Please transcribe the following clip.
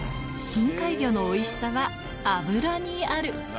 深海魚のおいしさは脂にある。